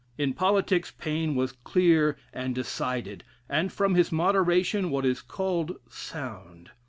In politics Paine was clear and decided, and, from his moderation, what is called "sound."